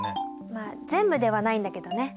まあ全部ではないんだけどね。